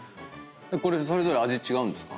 これそれぞれ味違うんですか？